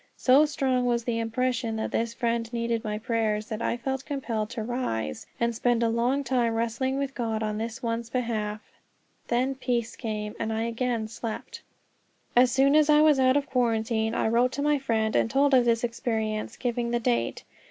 So strong was the impression that this friend needed my prayers, that I felt compelled to rise and spend a long time wrestling with God on this one's behalf; then peace came, and I again slept. As soon as I was out of quarantine I wrote to my friend and told of this experience, giving the date.